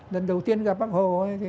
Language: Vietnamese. lần đầu tiên gặp bác hồ